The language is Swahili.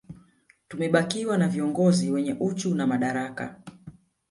Tumebakiwa na viongozi wenye uchu na madaraka